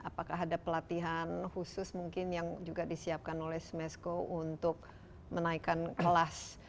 apakah ada pelatihan khusus mungkin yang juga disiapkan oleh smesco untuk menaikkan kelas